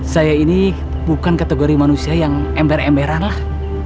saya ini bukan kategori manusia yang ember emberan lah